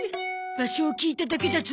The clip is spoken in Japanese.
場所を聞いただけだゾ。